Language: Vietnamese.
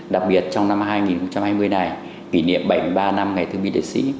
đặc biệt trong năm hai nghìn hai mươi này kỷ niệm bảy mươi ba năm ngày thương binh liệt sĩ